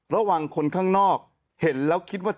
ระหว่างคนข้างนอกเห็นแล้วคิดว่า